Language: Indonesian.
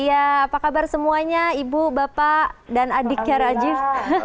iya apa kabar semuanya ibu bapak dan adiknya rajiv